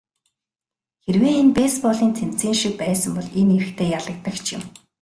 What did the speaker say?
Хэрвээ энэ бейсболын тэмцээн шиг байсан бол энэ эрэгтэй ялагдагч юм.